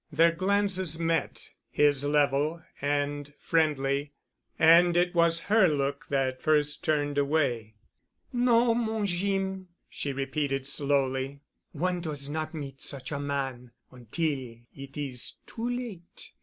Their glances met, his level and friendly. And it was her look that first turned away. "No, mon Jeem," she repeated slowly. "One does not meet such a man, ontil it is too late."